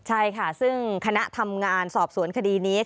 ใช่ค่ะซึ่งคณะทำงานสอบสวนคดีนี้